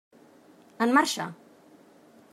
En marxa!